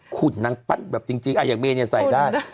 ขุดนังปั๊ดแบบจริงอย่างเบนยังใส่ได้